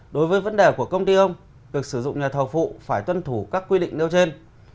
đối với vấn đề của công ty ông việc sử dụng nhà thầu phụ phải tuân thủ các quy định nêu trên